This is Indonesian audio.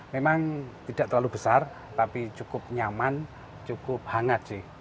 memang tidak terlalu besar tapi cukup nyaman cukup hangat sih